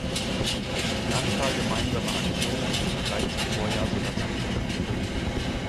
Die Anzahl gemeinsamer Aktionen ist im Vergleich zum Vorjahr sogar zurückgegangen.